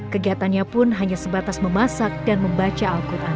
kegiatannya pun hanya sebatas memasak dan membaca al quran